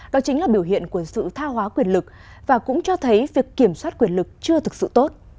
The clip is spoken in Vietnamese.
đó chính là biểu hiện của sự tha hóa quyền lực và cũng cho thấy việc kiểm soát quyền lực chưa thực sự tốt